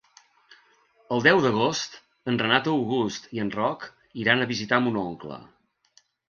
El deu d'agost en Renat August i en Roc iran a visitar mon oncle.